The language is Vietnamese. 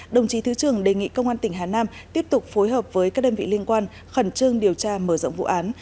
đồng chí thứ trưởng đề nghị công an tỉnh hà nam tiếp tục phối hợp với các đơn vị liên quan khẩn trương điều tra mở rộng vụ án